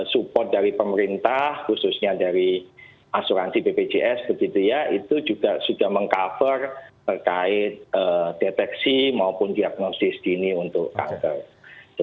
support dari pemerintah khususnya dari asuransi bpjs begitu ya itu juga sudah meng cover terkait deteksi maupun diagnosis dini untuk kanker